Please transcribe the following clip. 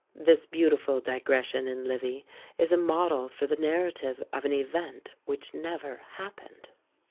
This beautiful digression in Livy is a model for the narrative of an event which never happened.